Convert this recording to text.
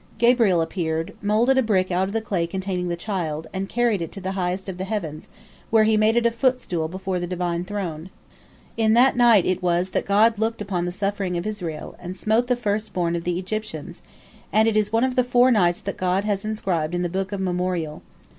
Gabriel appeared, moulded a brick out of the clay containing the child, and carried it to the highest of the heavens, where he made it a footstool before the Divine throne. In that night it was that God looked upon the suffering of Israel, and smote the first born of the Egyptians, and it is one of the four nights that God has inscribed in the Book of Memorial.